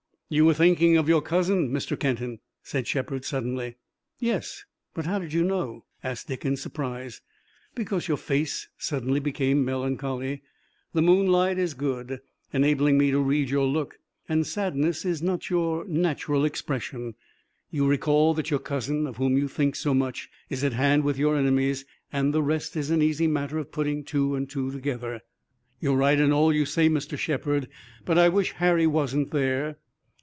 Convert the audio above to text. "You were thinking of your cousin, Mr. Kenton," said Shepard suddenly. "Yes, but how did you know?" asked Dick in surprise. "Because your face suddenly became melancholy the moonlight is good, enabling me to read your look and sadness is not your natural expression. You recall that your cousin, of whom you think so much, is at hand with your enemies, and the rest is an easy matter of putting two and two together." "You're right in all you say, Mr. Shepard, but I wish Harry wasn't there."